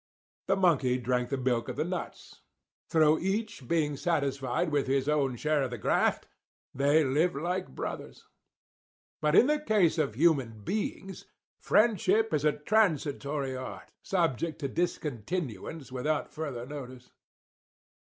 The monkey drank the milk of the nuts. Through each being satisfied with his own share of the graft, they lived like brothers. "But in the case of human beings, friendship is a transitory art, subject to discontinuance without further notice.